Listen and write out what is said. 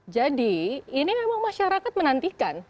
jadi ini memang masyarakat menantikan